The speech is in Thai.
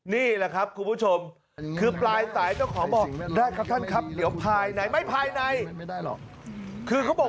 นี่แหละครับคุณผู้ชมคือปลายสายเขาขอบอก